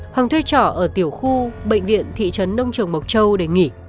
hoàng thuê trỏ ở tiểu khu bệnh viện thị trấn nông trồng mộc châu để nghỉ